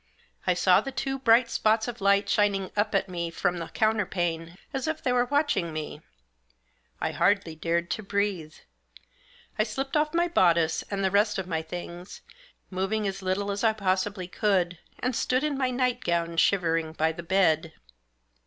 I saw the two bright spots of light shining up at me from the counterpane as if they were watching me. I hardly dared to breathe. I slipped off my bodice, and the rest of my things, moving as little as I possibly could, and stood in my night gown shivering by the bed.